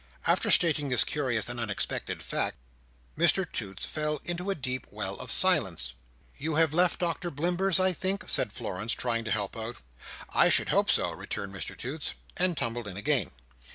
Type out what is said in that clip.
After stating this curious and unexpected fact, Mr Toots fell into a deep well of silence. "You have left Dr Blimber's, I think?" said Florence, trying to help him out. "I should hope so," returned Mr Toots. And tumbled in again.